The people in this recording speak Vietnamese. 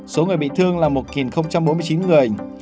số người bị thương là một bốn mươi chín người